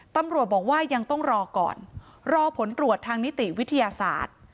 ตำรวจบอกว่ายังต้องรอก่อนรอผลตรวจทางนิติวิทยาศาสตร์